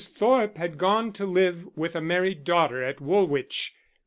Thorpe had gone to live with a married daughter at Woolwich.